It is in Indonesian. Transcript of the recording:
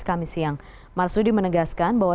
kami siang marsudi menegaskan bahwa